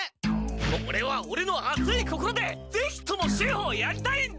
オレはオレの熱い心でぜひとも修補をやりたいんだ！